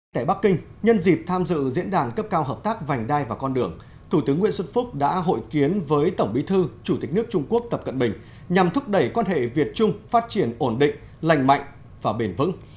tại bắc kinh nhân dịp tham dự diễn đàn cấp cao hợp tác vành đai và con đường thủ tướng nguyễn xuân phúc đã hội kiến với tổng bí thư chủ tịch nước trung quốc tập cận bình nhằm thúc đẩy quan hệ việt trung phát triển ổn định lành mạnh và bền vững